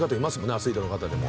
アスリートの方でも。